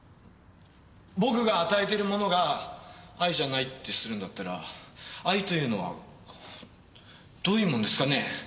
僕が与えてるものが愛じゃないってするんだったら愛というのはどういうもんですかね？